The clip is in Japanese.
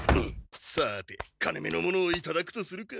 さて金めのものをいただくとするか。